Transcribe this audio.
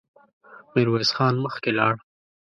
ميرويس خان مخکې لاړ.